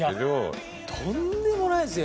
いやとんでもないですよ